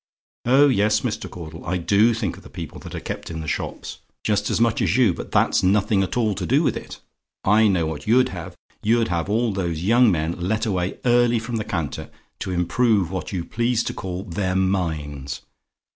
Oh yes, Mr. Caudle, I do think of the people that are kept in the shops just as much as you; but that's nothing at all to do with it. I know what you'd have. You'd have all those young men let away early from the counter to improve what you please to call their minds.